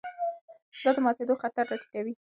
دا د ماتېدو خطر راټیټوي.